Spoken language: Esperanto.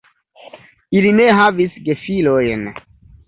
Ili ne havis gefilojn.